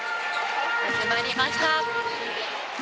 始まりました。